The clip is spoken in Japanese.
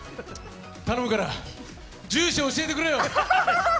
頼むから住所教えてくれよ！